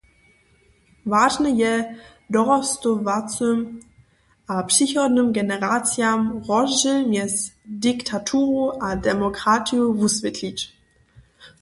Wažne je, dorostowacym a přichodnym generacijam rozdźěl mjez diktaturu a demokratiju wuswětleć.